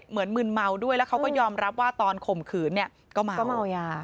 มึนเมาด้วยแล้วเขาก็ยอมรับว่าตอนข่มขืนเนี่ยก็มาก็เมายา